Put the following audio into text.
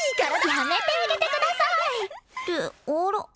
やめてあげてくださいってあら？